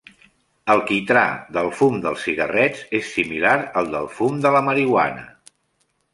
El quitrà del fum dels cigarrets és similar al del fum de la marihuana.